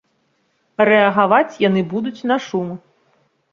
Рэагаваць яны будуць на шум.